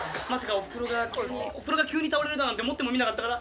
おふくろが急に倒れるだなんて思ってもみなかったから。